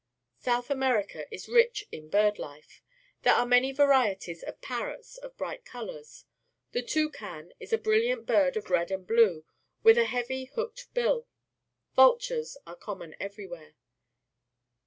South America is rich in bird life. There are many varieties of parrots of bright colours. The toucan is a brilliant bird of red and blue, with a heavy hooked bill. Vultm es are common everywhere.